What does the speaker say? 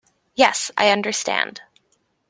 Yes, I understand.